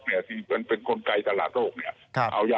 ไม่เป็นคนใกล้อังกฎเนี่ย